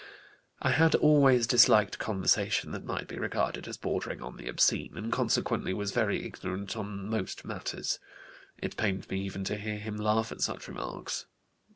I had always disliked conversation that might be regarded as bordering on the obscene, and consequently was very ignorant on most matters; it pained me even to hear him laugh at such remarks.